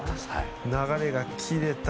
流れが切れた。